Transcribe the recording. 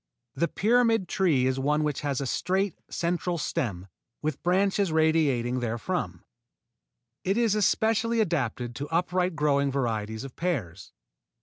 The pyramid tree is one which has a straight central stem with branches radiating therefrom. It is especially adapted to upright growing varieties of pears.